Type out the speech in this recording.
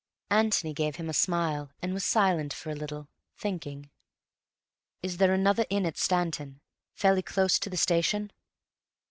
Antony gave him a smile and was silent for a little, thinking. "Is there another inn at Stanton—fairly close to the station?"